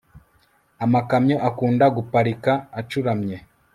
amakamyo akunda guparika acuramye